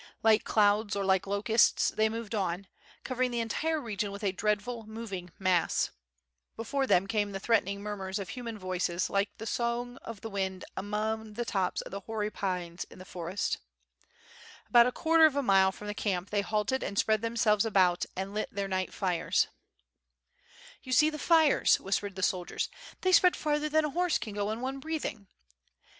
Like clouds or like locusts they moved on, covering the entire region with a dreadful moving mass. Before them came the threatening murmurs of human voices like the sough of the wind among the tops of hoary pines in the forest. About a quarter of a mile from the camp they halted and spread themselves about and lit their night fires. WITH FIRE AND SWORD. 697 "You see the fires!" whispered the soldiers, "they spread farther than a horse can go in one breathing."